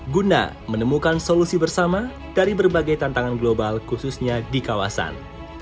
guna menemukan solusi bersama dari berbagai tantangan global khususnya di kawasan